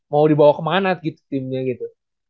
mau dibawa kemana gitu timnya gitu